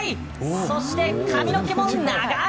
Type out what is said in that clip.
そして髪の毛も長い！